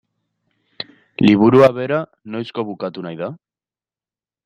Liburua bera noizko bukatu nahi da?